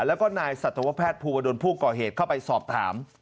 แล้วก็นายสัตวแพทย์ภูวดลผู้ก่อเหตุเข้าไปสอบถาม